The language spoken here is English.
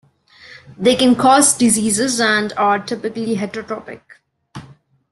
They can cause diseases and are typically heterotrophic.